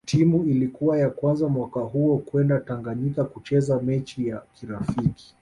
Timu Ilikuwa ya kwanza mwaka huo kwenda Tanganyika kucheza mechi ya kirafiki